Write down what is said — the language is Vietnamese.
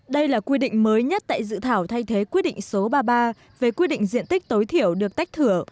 đây là quy định mới nhất tại dự thảo thay thế quyết định số ba mươi ba về quy định diện tích tối thiểu được tách thửa